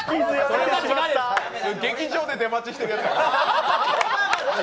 それ、劇場で出待ちしてるやつや。